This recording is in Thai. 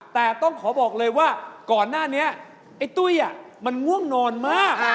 แต่ต้องขอบอกเลยว่าก่อนหน้านี้ไอ้ตุ้ยมันง่วงนอนมาก